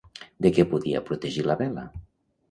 De què podia protegir la vela?